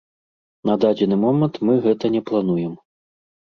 На дадзены момант мы гэта не плануем.